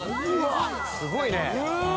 すごいね。